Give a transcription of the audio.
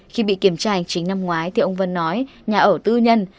khi bị kiểm tra hành chính năm ngoái thì ông vân nói nhà ở tư nhân